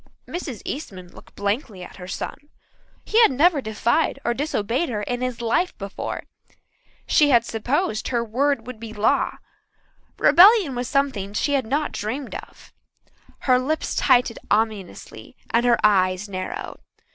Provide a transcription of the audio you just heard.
Mrs. Eastman looked blankly at her son. He had never defied or disobeyed her in his life before. She had supposed her word would be law. Rebellion was something she had not dreamed of. Her lips tightened ominously and her eyes narrowed.